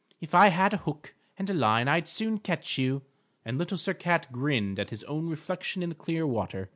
If I had a hook and line I'd soon catch you," and Little Sir Cat grinned at his own reflection in the clear water.